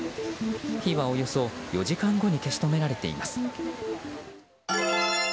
火はおよそ４時間後に消し止められています。